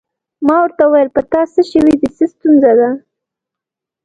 ما ورته وویل: په تا څه شوي دي؟ څه ستونزه ده؟